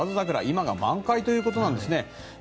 今が満開ということです。